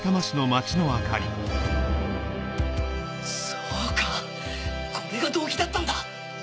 そうかこれが動機だったんだ！